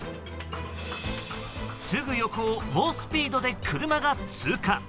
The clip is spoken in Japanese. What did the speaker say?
すぐ横を猛スピードで車が通過。